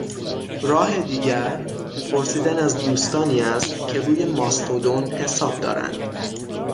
راه دیگر، پرسیدن از دوستانی است که روی ماستودون حساب دارند